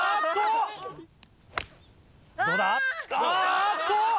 あっと！